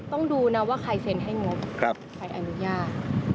ต้องดูนะว่าใครเซ็นให้งบใครอนุญาต